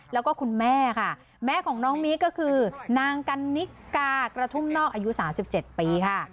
แล้วก็คุณแม่ค่ะแม่ของน้องมิ๊กก็คือนางกันนิกากระทุ่มนอกอายุ๓๗ปีค่ะ